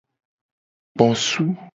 Ekposu.